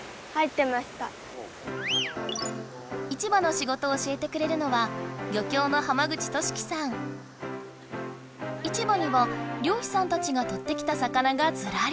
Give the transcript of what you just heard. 市場の仕事を教えてくれるのは漁協の市場には漁師さんたちがとってきた魚がズラリ！